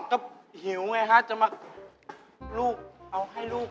ก็หิวไงฮะจะมา